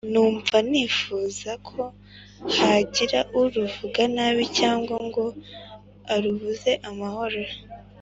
numva ntifuza ko hagira uruvuga nabi cyangwa ngo arubuze amahoro.